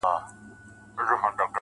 د همدې شپې هېرول يې رانه هېر کړل~